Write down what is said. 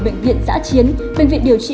bệnh viện giã chiến bệnh viện điều trị